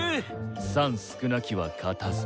算少なきは勝たず。